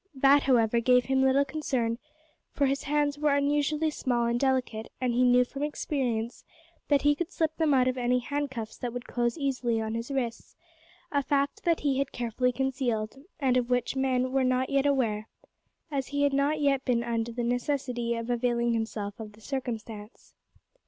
That, however, gave him little concern, for his hands were unusually small and delicate, and he knew from experience that he could slip them out of any handcuffs that would close easily on his wrists a fact that he had carefully concealed, and of which men were not yet aware, as he had not yet been under the necessity of availing himself of the circumstance.